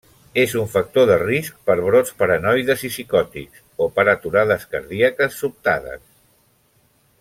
És un factor de risc per brots paranoides i psicòtics o per aturades cardíaques sobtades.